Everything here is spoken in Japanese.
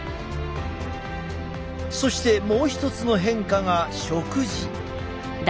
そしてもう一つの変化が食事。